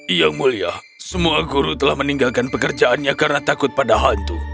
yang mulia semua guru telah meninggalkan pekerjaannya karena takut pada hantu